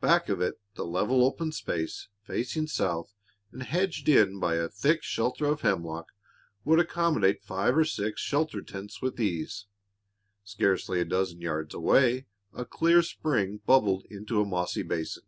Back of it, the level open space, facing south and hedged in by a thick shelter of hemlock, would accommodate five or six shelter tents with ease. Scarcely a dozen yards away, a clear spring bubbled into a mossy basin.